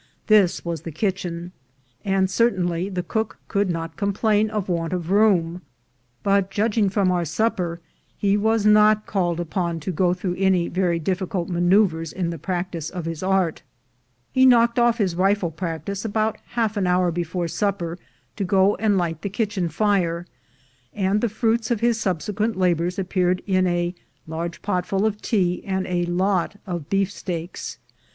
This was the kitchen; and certainly the cook could not complain of want of room; but, judg ing from our supper, he was not called upon to go through any very difficult maneuvers in the practice of his art. He knocked off his rifle practice about half an hour before supper to go and light the kitchen fire, and the fruits of his subsequent labors appeared in a large potful of tea and a lot of beefsteaks.